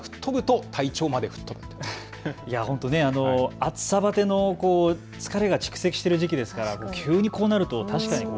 暑さバテの疲れが蓄積している時期ですから急にこうなると。